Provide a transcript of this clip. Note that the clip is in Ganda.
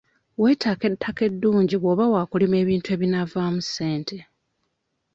Weetaaga ettaka eddungi bw'oba waakulima ebintu ebinaavaamu ssente.